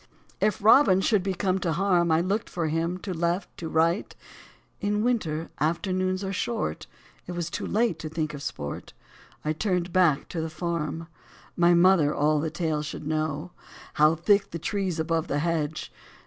If Robin should be come to harm 1 I looked for him to left, to right : In winter, afternoons are short, It was too late to think of sport ; I turned back to the farm. My mother all the tale should know. How thick the trees above the hedge